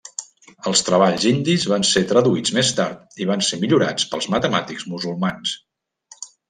Els treballs indis van ser traduïts més tard i van ser millorats pels matemàtics musulmans.